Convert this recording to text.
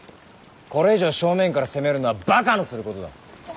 これ以上正面から攻めるのはばかのすることだ。